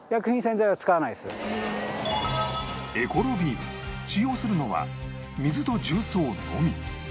エコロビーム使用するのは水と重曹のみ